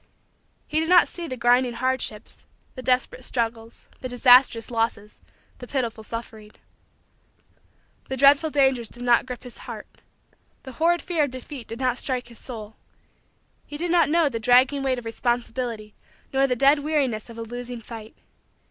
He did not see the grinding hardships, the desperate struggles, the disastrous losses, the pitiful suffering. The dreadful dangers did not grip his heart. The horrid fear of defeat did not strike his soul. He did not know the dragging weight of responsibility nor the dead weariness of a losing fight.